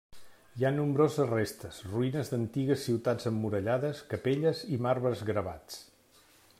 Hi ha nombroses restes, ruïnes d'antigues ciutats emmurallades, capelles, i marbres gravats.